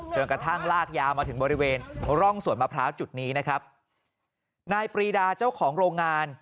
กระทั่งลากยาวมาถึงบริเวณร่องสวนมะพร้าวจุดนี้นะครับนายปรีดาเจ้าของโรงงาน